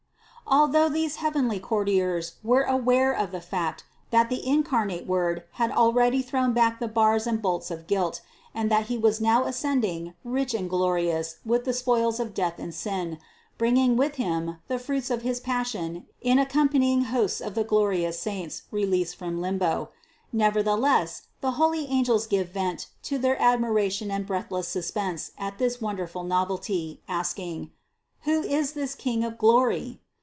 Although these heavenly courtiers were aware of the fact that the incarnate Word had al ready thrown back the bars and bolts of guilt, and that He was now ascending rich and glorious with the spoils of death and sin, bringing with Him the fruits of his Passion in the accompanying hosts of the glorious saints released from limbo; nevertheless the holy angels give vent to their admiration and breathless suspense at this wonderful novelty, asking : "Who is this King of glory